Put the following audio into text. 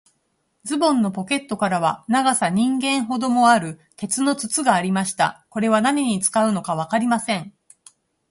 ズボンのポケットからは、長さ人間ほどもある、鉄の筒がありました。これは何に使うのかわかりません。